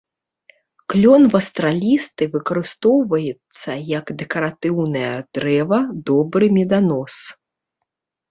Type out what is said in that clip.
Клён вастралісты выкарыстоўваецца як дэкаратыўнае дрэва, добры меданос.